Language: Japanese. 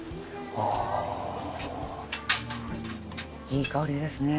いい香りですね。